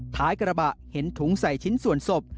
ท้ายกระบะเห็นถุงใส่ชิ้นส่วนศพ